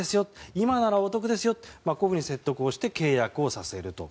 今ならお得ですよとこういうふうに説得をして契約をさせると。